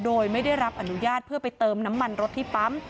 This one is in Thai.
โดยไม่ได้รับอนุญาตเพื่อไปเติมน้ำมันรถที่ปั๊ม